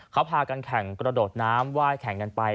เขาพากันแข่งกระโดดน้ำไหว้แข่งกันไป